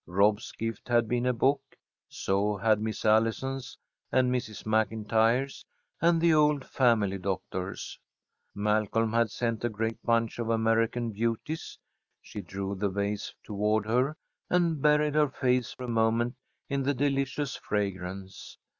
Rob's gift had been a book. So had Miss Allison's and Mrs. MacIntyre's and the old family doctor's. Malcolm had sent a great bunch of American Beauties. She drew the vase toward her and buried her face a moment in the delicious fragrance.